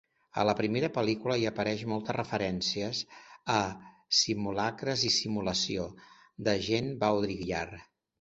A la primera pel·lícula hi apareixen moltes referències a "Simulacres i simulació" de Jean Baudrillard.